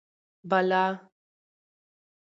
بالا: